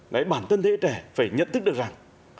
đấy bản thân thế hệ trẻ phải nhận thức được rằng